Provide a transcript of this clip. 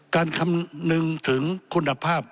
คำนึงถึงคุณภาพ